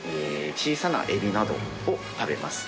小さなエビなどを食べます。